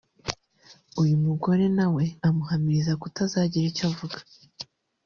uyu mugore na we amuhamiriza kutazagira icyo avuga